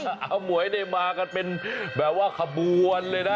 อำหวยได้มากันแบบว่าขบวนเลยนะ